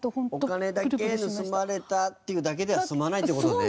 お金だけ盗まれたっていうだけでは済まないって事ね。